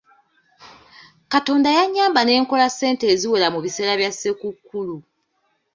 Katonda yannyamba ne nkola ssente eziwera mu biseera bya Ssekukkulu.